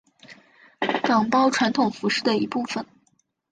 岗包传统服饰的一部分。